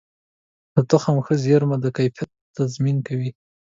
د تخم ښه زېرمه د کیفیت تضمین کوي.